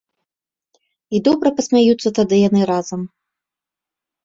І добра пасмяюцца тады яны разам.